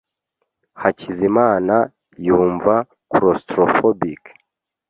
Hakizimana yumva claustrophobic.